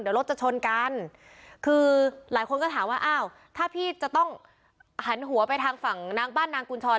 เดี๋ยวรถจะชนกันคือหลายคนก็ถามว่าอ้าวถ้าพี่จะต้องหันหัวไปทางฝั่งนางบ้านนางกุญชร